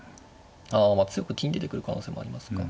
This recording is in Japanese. あまあ強く金出てくる可能性もありますか。